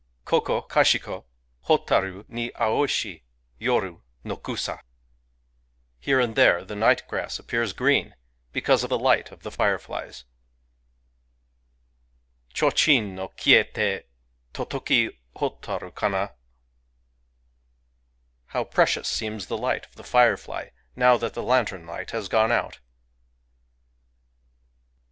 Koko kashiko, Hotaru ni aoshi Yoru no kusa. Here and there the night grass appears green, because of the light of the fireflies. Chochin no Kiyete, totoki Hotaru kana ! How precious seems [the light of] the firefly, now that the lantern light has gone out